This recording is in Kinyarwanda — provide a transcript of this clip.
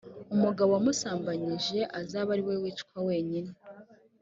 umugabo wamusambanyije azabe ari we wicwa wenyine.